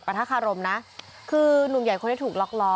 ทะคารมนะคือนุ่มใหญ่คนที่ถูกล็อกล้อ